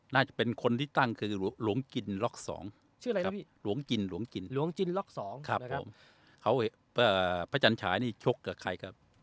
น่าจะเป็นคนที่ตั้งคือหลวงจินล็อก๒เขาพระจัญฉายนี่ชกกับใครครับ